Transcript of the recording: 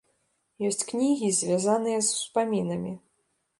Ёсць кнігі, звязаныя з успамінамі.